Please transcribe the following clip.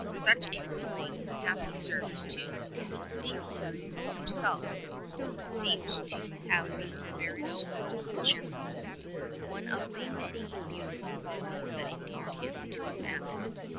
Such a willing, happy service too ! Deicolus himself seems to have been the very soul of cheerfulness, one of the many beautiful qualities that endeared him to his Abbot.